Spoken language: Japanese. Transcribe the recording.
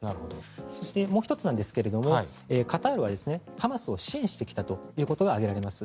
そしてもう１つなんですがカタールはハマスを支援してきたということが挙げられます。